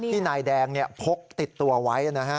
นายแดงพกติดตัวไว้นะฮะ